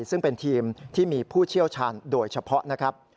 ซึ่งเป็นทีมที่มีผู้เชี่ยวชาญโดยเฉพาะนะครับ